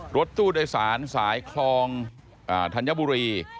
รถตู้โดยสารสายคลองธัญบุรี